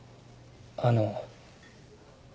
あの。